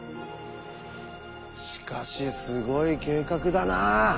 しかしすごい計画だな。